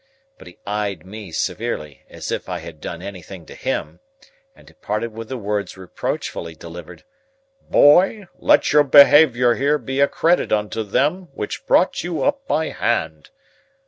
But he eyed me severely,—as if I had done anything to him!—and departed with the words reproachfully delivered: "Boy! Let your behaviour here be a credit unto them which brought you up by hand!"